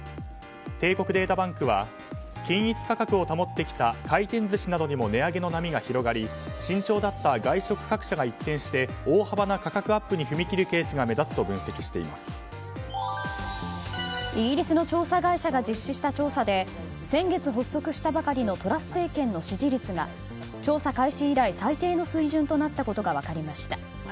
帝国データバンクは均一価格を保ってきた回転寿司などにも値上げの波が広がり慎重だった外食各社が一転して大幅な価格アップに踏み切るケースがイギリスの調査会社が実施した調査で先月発足したばかりのトラス政権の支持率が調査開始以来最低の水準となったことが分かりました。